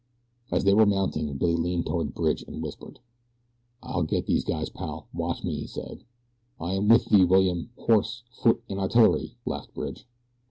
As they were mounting Billy leaned toward Bridge and whispered: "I'll get these guys, pal watch me," he said. "I am with thee, William! horse, foot, and artillery," laughed Bridge.